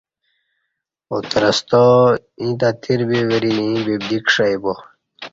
اترستا ییں تہ تیر بی وری ییں ببدی کݜی با